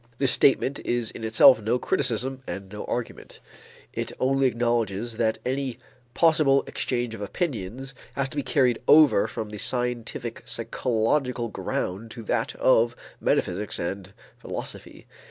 This statement is in itself no criticism and no argument; it only acknowledges that any possible exchange of opinions has to be carried over from the scientific psychological ground to that of metaphysics and philosophy.